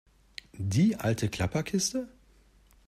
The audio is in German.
Die alte Klapperkiste?